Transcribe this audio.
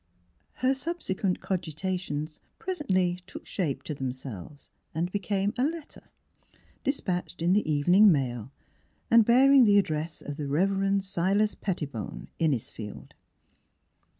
Her subsequent cogitations 54 Miss Philura presently took shape to them selves and became a letter, dispatched in the evening mail and bearing the address of the Rev. Silas Pettibone, Innisfield.